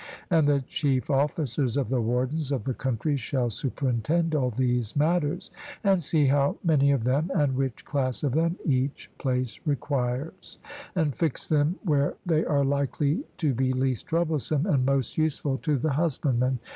And the chief officers of the wardens of the country shall superintend all these matters, and see how many of them, and which class of them, each place requires; and fix them where they are likely to be least troublesome, and most useful to the husbandman.